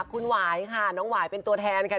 คุณหวายค่ะน้องหวายเป็นตัวแทนค่ะ